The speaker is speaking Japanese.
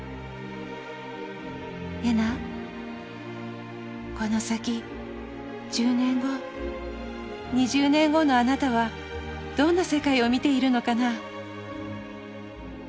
「えなこの先１０年後２０年後のあなたはどんな世界を見ているのかな？」。